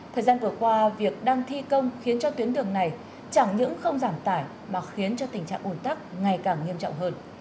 thời gian vừa qua việc đang thi công khiến cho tuyến đường này chẳng những không giảm tải mà khiến cho tình trạng ủn tắc ngày càng nghiêm trọng hơn